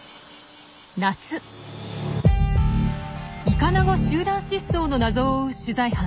イカナゴ集団失踪の謎を追う取材班。